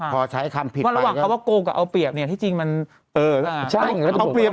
เพราะระหว่างเขาว่าโกงกับเอาเปรียบเนี่ย